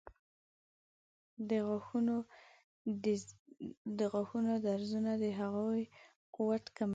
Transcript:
د غاښونو درزونه د هغوی قوت کموي.